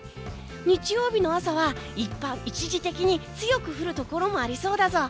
日曜日の朝は一時的に強く降るところもありそうだぞ。